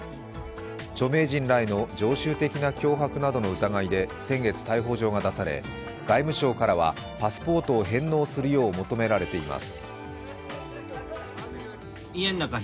著名人らへの常習的な脅迫などの疑いで先月逮捕状が出され、外務省からはパスポートを返納するよう求められています。